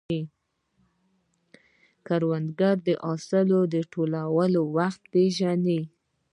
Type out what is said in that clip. کروندګر د حاصل د راټولولو وخت ښه پېژني